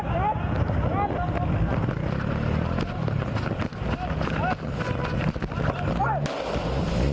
รอมานี่